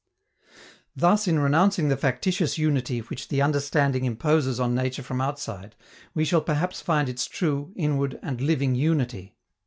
Thus, in renouncing the factitious unity which the understanding imposes on nature from outside, we shall perhaps find its true, inward and living unity.